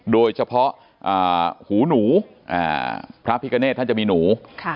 โดยเฉพาะหูหนูพระพิกเนธท่านจะมีหนู